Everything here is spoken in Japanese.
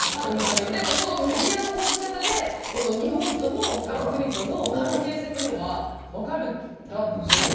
でもメディアの報じ方で日本とのほかの国との関係性というのがわかるんだという。